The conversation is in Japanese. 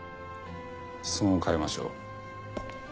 質問を変えましょう。